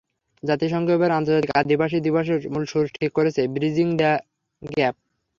জাতিসংঘ এবার আন্তর্জাতিক আদিবাসী দিবসের মূল সুর ঠিক করেছে, ব্রিজিং দ্য গ্যাপ।